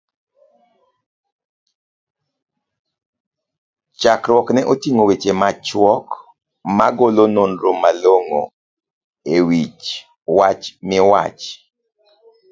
chakruokne oting'o weche machuok, magolo nonro malongo e wich wach miwach